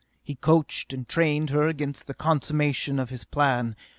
He coached and trained her against the consummation of his plan.